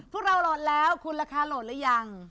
พวกเราโหลดแล้วคุณราคาโหลดหรือยัง